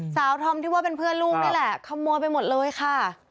ธอมที่ว่าเป็นเพื่อนลูกนี่แหละขโมยไปหมดเลยค่ะ